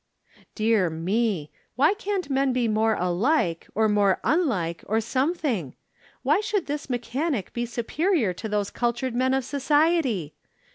Dear me ! Why can't men be more alike, or more unlike, or something ? Why should this mechanic be superior to those cultured men of society?